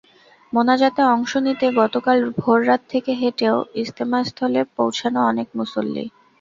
মোনাজাতে অংশ নিতে গতকাল ভোররাত থেকে হেঁটেও ইজতেমাস্থলে পৌঁছান অনেক মুসল্লি।